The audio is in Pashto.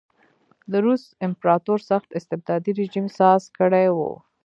د روس امپراتور سخت استبدادي رژیم ساز کړی و.